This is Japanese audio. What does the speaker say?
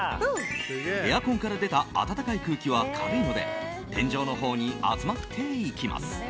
エアコンから出た暖かい空気は軽いので天井のほうに集まっていきます。